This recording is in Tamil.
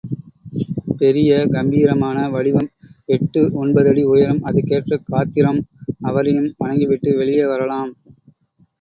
பெரிய கம்பீரமான வடிவம், எட்டு ஒன்பதடி உயரம், அதற்கேற்ற காத்திரம், அவரையும் வணங்கிவிட்டு வெளியே வரலாம்.